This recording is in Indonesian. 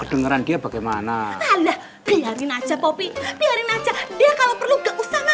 kedengeran dia bagaimana piarin aja popi piarin aja dia kalau perlu gak usah makan